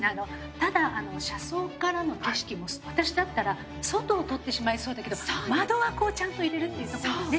ただ車窓からの景色も私だったら外を撮ってしまいそうだけど窓枠をちゃんと入れるっていうところがね。